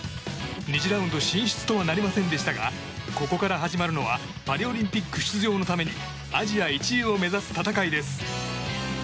２次ラウンド進出とはなりませんでしたがここから始まるのはパリオリンピック出場のためにアジア１位を目指す戦いです。